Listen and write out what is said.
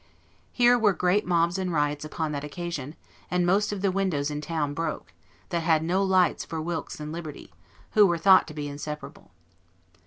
Here were great mobs and riots upon that occasion, and most of the windows in town broke, that had no lights for WILKES AND LIBERTY, who were thought to be inseparable.